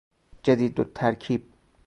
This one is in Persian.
جدید الترکیب